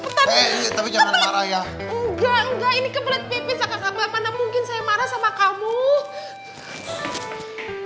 enggak enggak ini kebelet pipis akan kabar mana mungkin saya marah sama kamu